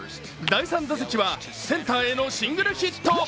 第３打席はセンターへのシングルヒット。